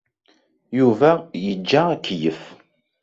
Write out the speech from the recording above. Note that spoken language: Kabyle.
Yuba yeǧǧa akeyyef.